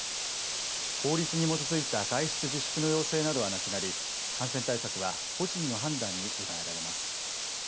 法律に基づいた外出自粛の要請などはなくなり感染対策は個人の判断に委ねられます。